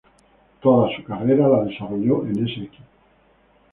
Toda su carrera la desarrolló en ese equipo.